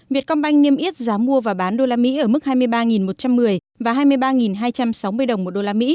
vietcombank niêm yết giá mua và bán usd ở mức hai mươi ba một trăm một mươi và hai mươi ba hai trăm sáu mươi đồng một usd